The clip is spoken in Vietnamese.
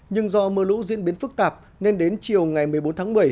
nhưng do mưa lũ diễn biến phức tạp nên đến chiều ngày một mươi bốn tháng một mươi